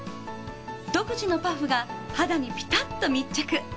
独自のパフが肌にピタッと密着。